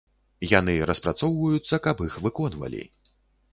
Яны распрацоўваюцца, каб іх выконвалі.